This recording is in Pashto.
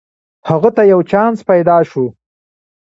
هغه ته یو چانس پیداشو